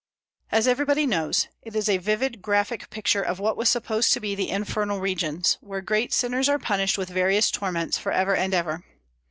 As everybody knows, it is a vivid, graphic picture of what was supposed to be the infernal regions, where great sinners are punished with various torments forever and ever.